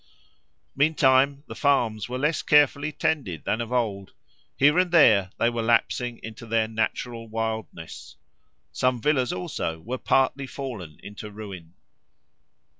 Meantime, the farms were less carefully tended than of old: here and there they were lapsing into their natural wildness: some villas also were partly fallen into ruin.